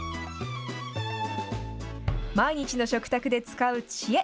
毎日の食卓で使う知恵。